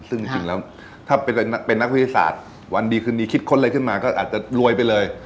ซึ่งจริงแล้วถ้าเป็นนักวิทยาศาสตร์วันดีคืนนี้คิดค้นอะไรขึ้นมาก็อาจจะรวยไปเลย